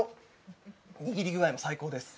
握り具合も最高です。